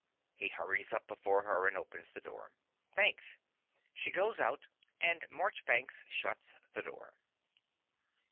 (He hurries up before her and opens the door.) Thanks. (She goes out; and Marchbanks shuts the door.)